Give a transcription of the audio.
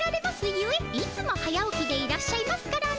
ゆえいつも早起きでいらっしゃいますからね。